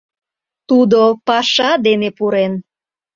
Тудо паша дене пурен.